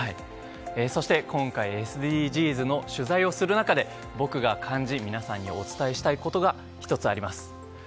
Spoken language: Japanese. そして、今回ＳＤＧｓの取材をする中で僕が感じ皆さんにお伝えしたいことが１つあります。